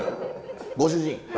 ご主人。